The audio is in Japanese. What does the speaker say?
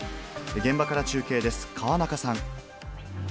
現場から中継です。